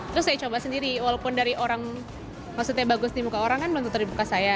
terus saya coba sendiri walaupun dari orang maksudnya bagus di muka orang kan belum tentu di muka saya